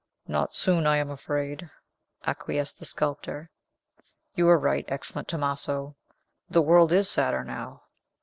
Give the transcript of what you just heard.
"Not soon, I am afraid," acquiesced the sculptor. "You are right, excellent Tomaso; the world is sadder now!"